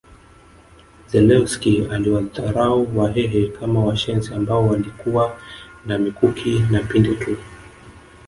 Zelewski aliwadharau Wahehe kama washenzi ambao walikuwa na mikuki na pinde tu